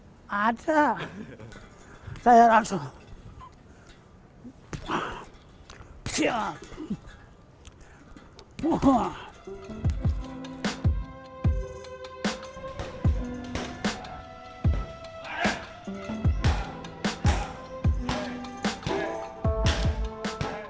kecintaan elias pikal pada dunia tinju terlihat jelas pada raut muka eli saat menyaksikan anak anak muda berlatih tinju di kawasan bulungan jakarta selatan